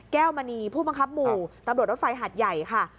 มณีผู้บังคับหมู่ตำรวจรถไฟหาดใหญ่ค่ะ